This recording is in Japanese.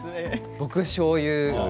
僕、しょうゆ。